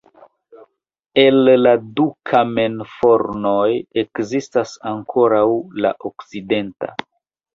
El la du kamenfornoj ekzistas ankoraŭ la okcidenta.